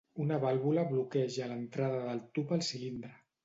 Una vàlvula bloqueja l'entrada del tub al cilindre.